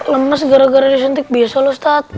lemes gara gara disuntik biasa ustadz